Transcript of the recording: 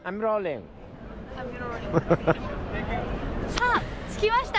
さあ着きました。